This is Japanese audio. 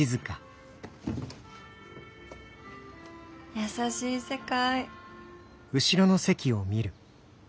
優しい世界。